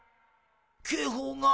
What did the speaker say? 警報が。